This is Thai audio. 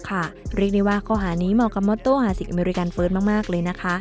ค่ะเรียกได้ว่ากอหานิมอเกิมมอทโต้ฮาศิกอเมริกาเฟิ้ิสมากเลยนะคะและแน่นอนค่ะ